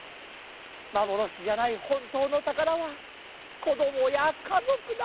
まぼろしじゃないほんとうのたからはこどもやかぞくだ。